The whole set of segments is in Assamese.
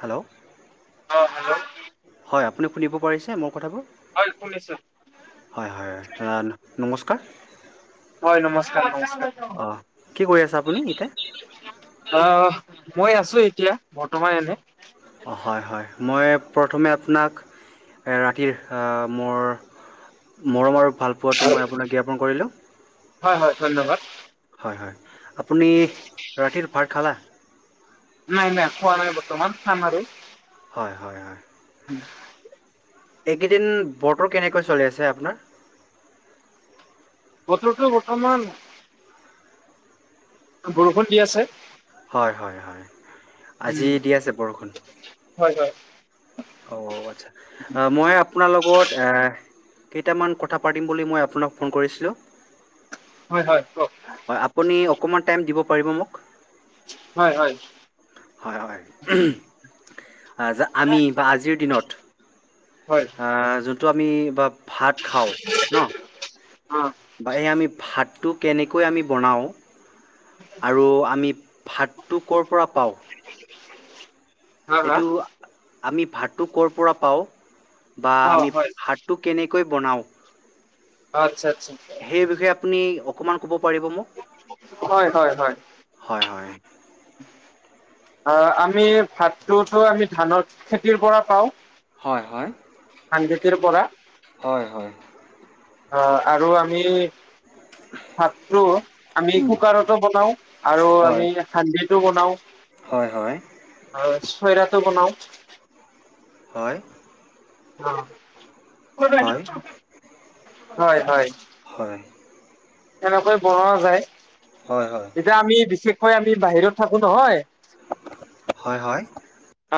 হেল্ল, অ', হেল্ল' হয় আপুনি খুনিব পাৰিছে মোৰ কথাবোৰ? হয় শুনিছো। হয়, হয় [unintelligible] নমস্কাৰ। হয় নমস্কাৰ নমস্কাৰ। অ', কি কৰি আছা আপুনি, এতিয়া? অ', মই আছো এতিয়া বৰ্তমান এনে। অ', হয়, হয়, মই প্ৰথমে আপোনাক, ৰাতিৰ আহ মোৰ মৰম আৰু ভাল পোৱাটো মই আপোনাক জ্ঞাপন কৰিলোঁ। হয়, হয় ধন্যবাদ। হয়, হয় আপুনি ৰাতিৰ ভাত খালা? নাই, নাই খোৱা নাই বৰ্তমান, খাম আৰু। হয়, হয়, হয়। [unintelligible] এইকেইদিন বতৰ কেনেকুৱা চলি আছে আপোনাৰ? বতৰটো বৰ্তমান বৰষুণ দি আছে। হয়, হয়, হয়, আজি উম দি আছে বৰষুণ। হয় হয়। অ', আচ্ছা, মই আপোনাৰ লগত এ কেইটামান কথা পাতিম বুলি মই আপোনাক ফোন কৰিছিলোঁ। হয়, হয় কওঁক। হয়, আপুনি অকণমান টাইম দিব পাৰিব মোক? হয়, হয়। হয়, হয়, আমি বা আজিৰ দিনত হয়। আহ যোনটো আমি বা ভাত খাওঁ, ন'? অ', বা এই আমি ভাতটো কেনেকৈ আমি বনাওঁ। আৰু আমি ভাতটো কৰ পৰা পাওঁ। হা হা এইটো, আমি ভাতটো ক'ৰ পৰা পাওঁ, বা অ', আমি হয় ভাত টো কেনেকৈ বনাওঁ। অ', আচ্ছা আচ্ছা। সেই বিষয়ে আপুনি অকমান ক'ব পাৰিব মোক। হয়, হয়, হয়। হয় হয়। অ', আমি ভাতটোতো আমি ধানৰ খেতিৰ পৰা পাওঁ। হয় হয়। ধান খেতিৰ পৰা, হয় হয় অ, আৰু আমি ভাতটো, আমি উম। কুকাৰতো বনাও আৰু হয় আমি সান্দিতো বনাও। হয় হয়। আৰু, চৱেটাৰাটো বনাওঁ। হয়। অ', হয় হয়, হয়, হয়। এনেকৈ বনোৱা যায়। হয়, হয়, এতিয়া আমি বিশেষকৈ আমি বাহিৰত থাকো নহয়। হয়! হয়!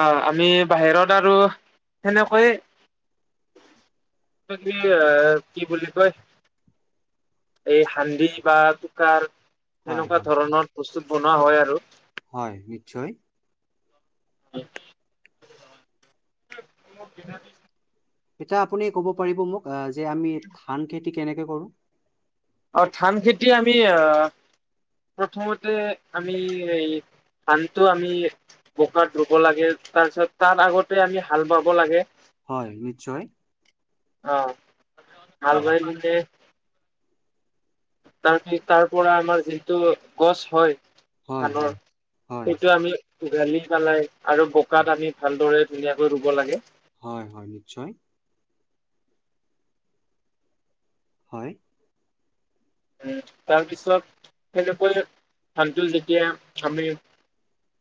অঁ আমি বাহিৰত আৰু সেনেকৈয়ে ট কি এ কি বুলি কই। এই হান্দি বা কোকাৰ হয় সেনকা হয় ধৰণৰ বস্তুত বনোৱা হয় আৰু। হয় নিশ্চয়! হেত মোক গেনানি এতিয়া আপুনি কব পাৰিব মোক আহ যে আমি ধান খেতি কেনেকে কৰো? অ ধান খেতি আমি আহ প্ৰথমতে আমি এই ধানটো আমি বোকাত ৰুব লাগে তাপিছত তাৰ আগতে আমি হাল বাব লাগে। হয়! নিশ্চয়। অঁ সাল হয় বায় নিলে তাৰপি তাৰ পৰা আমাৰ যিটো গছ হয় হয় ধানৰ হয় হয় সেইটো আমি ঘালি পেলাই আৰু বোকাত আমি ভালদৰে ধুনীয়াকৈ ৰুব লাগে। হয় হয় নিশ্চয়। হয়। উম তাৰপিছত সেনেকৈ ধানটোল যেতিয়া আমি।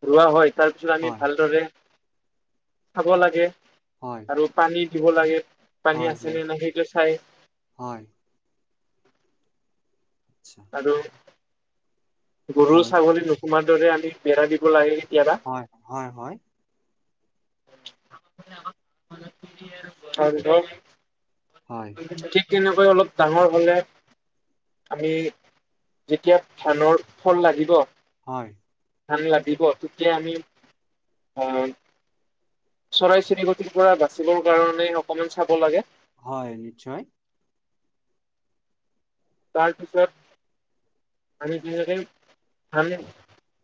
ৰোৱা হয় তাৰপিছত আমি হয় ভালদৰে চাব লাগে। হয়। আৰু পানী দিব লাগে পানী হয় আছে হয় নে নাই সেইটো চাই। হয়। [unintelligible] আৰু গৰু হয় ছাগলী নোসোমাৰ দৰে আমি বেৰা দিব লাগে কেতিয়াবা। হয় হয় হয়। [unintelligible] হয়। ঠিক তেনেকৈ অলপ ডাঙৰ হ'লে। আমি যেতিয়া ধানৰ ফল লাগিব। হয়। ধান লাগিব তেতিয়া আমি, অঁ চৰাই চিৰিকটিৰ পৰা বাচিবৰ কাৰণে অকমান চাব লাগে। হয় নিশ্চয়। তাৰপিছত আমি তেনেকেই আমি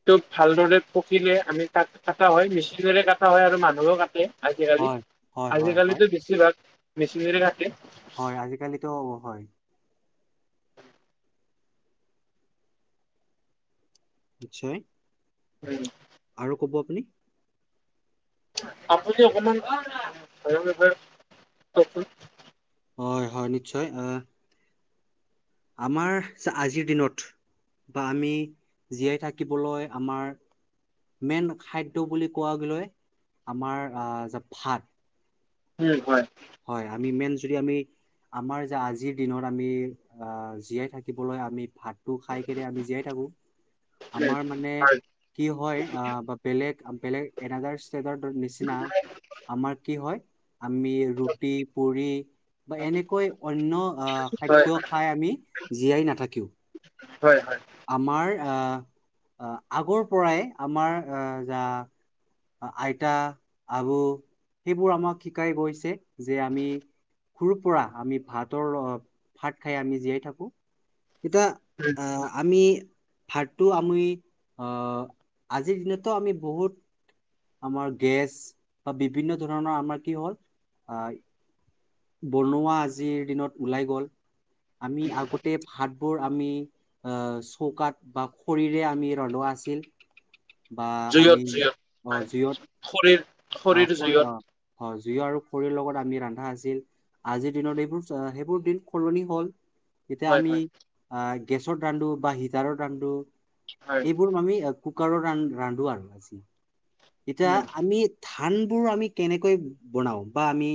টোক ভালদৰে পকিলে আমি তাক কাটা হয় মেচিনেৰে কাটা হয় আৰু মানুহেও কাটে। আজিকালি হয় হয় হয় হয় আজিকালিতো বেছিভাগ মেচিনেৰে কাটে। হয় আজিকালিতো অ হয়। নিশ্চয়। উম। আৰু ক'ব আপুনি? আপুনি অকমান কওকচোন। [unintelligible] হয় হয় নিশ্চয় আহ। আমাৰ আ আজিৰ দিনত বা আমি জীয়াই থাকিবলৈ আমাৰ মেইন খাদ্য বুলি কোৱাগ লৈ আমাৰ আ যা ভাত। উম হয়। হয় আমি মেইন যদি আমি আমাৰ যে আজিৰ দিনত আমি আ জীয়াই থাকিবলৈ আমি ভাত টো খাই কেনে আমি জীয়াই থাকো। উম আমাৰ মানে কি হয় আহ বা বেলেগ বেলেগ এনডাৰ ষ্টেটাৰ নিচিনা। আমাৰ কি হয় আমি ৰুটি, পুৰি বা এনেকৈ অন্য খাদ্য হয় খাই আমি জীয়াই নাথাকিও। হয় হয়। আমাৰ আহ আগৰ পৰাই আমাৰ আহ যা আইতা আবু সেইবোৰ আমাক শিকাই গৈছে যে আমি সুৰু পৰা আমি ভাতৰ ৰ ভাত খাই আমি জীয়াই থাকো এতিয়া আহ। এই ভাৰটো আমি আহ আজিৰ দিনতো আমি বহুত আমাৰ গেছ বা বিভিন্ন ধৰণৰ আমাৰ কি হ'ল আহ। বনোৱা আজিৰ দিনত ওলাই গল আমি আগতে ভাতবোৰ আমি আহ চৌকাত বা খৰিৰে আমি ৰনোৱা আছিল। বা আমি অ জিয়ত। শৰীৰ। অ খৰি অ অ জুইৰ আৰু খৰিৰ লগত আমি ৰান্ধা আছিল। আজিৰ দিনত এইবোৰ সেইবোৰ দিন সলনি হ'ল। এতিয়া হয় আমি হয় আহ গেছত ৰান্ধো বা হিটাৰৰ ৰান্ধো হয় এইবোৰ আমি কুকাৰত ৰা ৰান্ধো আৰু এতিয়া উম, আমিত ধানবোৰ আমি কেনেকৈ বনাও বা আমি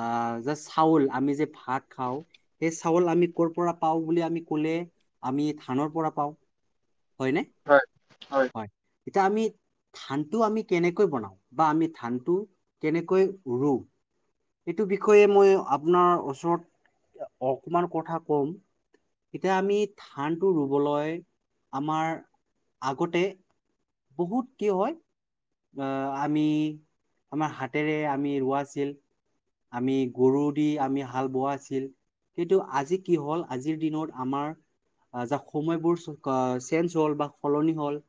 আ যে চাউল আমি যে ভাত খাওঁ। সেই চাউল আমি কৰ পৰা পাওঁ বুলি আমি কলে আমি ধানৰ পৰা পাওঁ। হয়নে? হয় হয়। হয় এতিয়া আমিত ধানটো আমি কেনেকৈ বনাও বা আমি ধানটো কেনেকৈ ৰুও। এইটো বিষয়ে মই আপোনাৰ ওচৰত অকমান কথা কম। এতিয়া আমি ধানটো ৰুবলৈ আমাৰ আগতে বহুত কি হয় বা আমি আমাৰ হাতেৰে আমি ৰোৱাছিল। আমি গৰু দি আমি হাল বোৱাছিল। কিন্তু আজি কি হ'ল আজিৰ দিনত আমাৰ যাক সময়বোৰ চেঞ্জ হল বা সলনি হল।